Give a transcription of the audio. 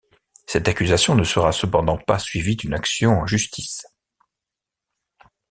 Cette accusation ne sera cependant pas suivie d'une action en justice.